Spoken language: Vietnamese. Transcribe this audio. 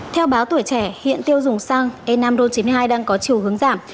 theo báo tuổi trẻ hiện tiêu dùng xăng e năm ron chín mươi hai đang có chiều hướng giảm